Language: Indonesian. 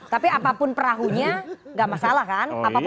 tapi apapun perahunya nggak masalah kan apapun